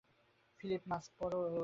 Philip, mask পরো, ওকে?